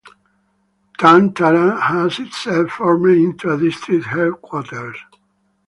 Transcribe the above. Tarn Taran has itself formed into a district headquarters.